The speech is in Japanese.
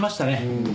うん。